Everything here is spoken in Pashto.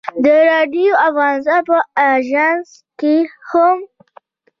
د راډیو افغانستان په اژانس کې هم.